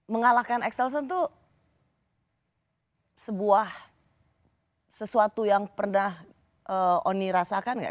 mengalahkan axelson itu sebuah sesuatu yang pernah oni rasakan enggak